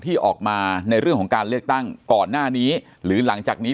ที่ออกมาในเรื่องของการเลือกตั้งก่อนหน้านี้หรือหลังจากนี้